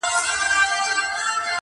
خپل ترمنځه له یو بل سره لوبېږي.